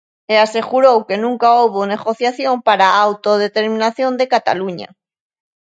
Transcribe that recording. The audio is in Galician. E asegurou que nunca houbo negociación para a autodeterminación de Cataluña.